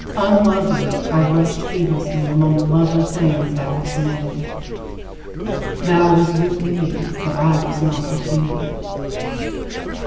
Unlovely, I rushed heedlessly among the lovely things thou hast made. Thou wast with me, but I was not with thee.